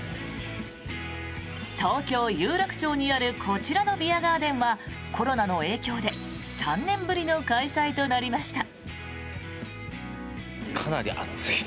東京・有楽町にあるこちらのビアガーデンはコロナの影響で３年ぶりの開催となりました。